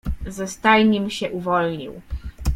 "Ze stajnim się uwolnił."